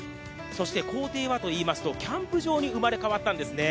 そして校庭はというとキャンプ場に生まれ変わったんです。